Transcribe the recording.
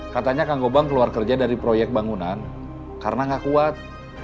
katanya kang gobang keluar kerja dari proyek bangunan karena gak kuat